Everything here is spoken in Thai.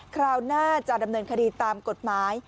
คราวหน้าจะดำเนินคดีตามกฎหมาย